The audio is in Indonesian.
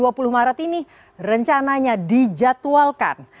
nah setelah dua puluh maret ini rencananya dijadwalkan